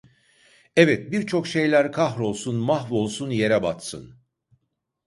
Evet birçok şeyler kahrolsun, mahvolsun, yere batsın.